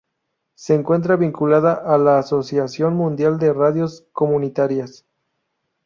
Se encuentra vinculada a la Asociación Mundial de Radios Comunitarias.